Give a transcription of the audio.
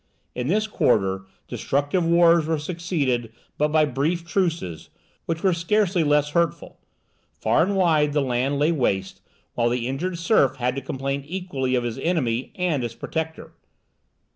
In this quarter destructive wars were succeeded but by brief truces, which were scarcely less hurtful: far and wide the land lay waste, while the injured serf had to complain equally of his enemy and his protector.